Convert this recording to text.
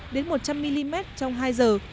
đến một trăm linh mm trong hai giờ